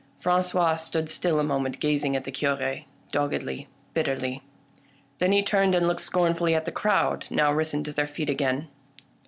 Francois stood still a moment gazing at the Cure, doggedly, bitterly; then he turned and looked scorn fully at the crowd, now risen to their feet again.